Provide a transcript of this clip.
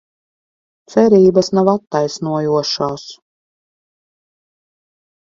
Cerības nav attaisnojošās...